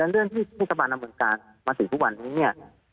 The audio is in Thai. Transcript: และเรื่องที่ทฤษบาลนำอำนวงการมาถือทุกวันนี้